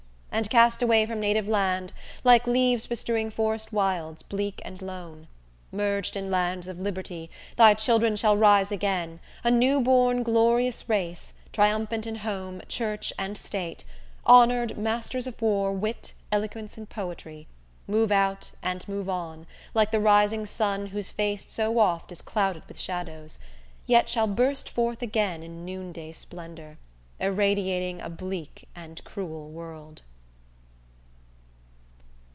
And cast away from native land, like leaves Bestrewing forest wilds, bleak and lone. Merged in lands of Liberty, thy children Shall rise again, a new born glorious race Triumphant in home, church and State, honored, Masters of War, Wit, Eloquence and Poetry. Move out and move on, like the rising sun Whose face so oft is clouded with shadows, Yet, shall burst forth again in noonday splendor Irradiating a bleak and cruel world!